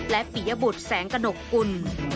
และปิยบุตรแสงกระหนกกุล